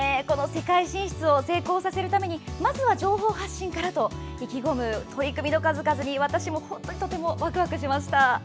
世界進出を成功させるためにまずは情報発信からと意気込む取り組みの数々に私もとてもワクワクしました。